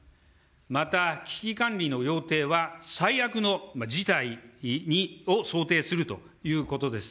また危機管理の要諦は最悪の事態を想定するということです。